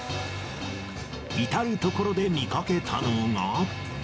至る所で見かけたのが。